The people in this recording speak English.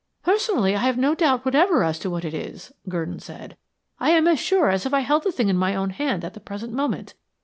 "Personally, I have no doubt whatever as to what it is," Gurdon said. "I am as sure as if I held the thing in my hand at the present moment.